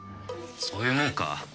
そういうもんか？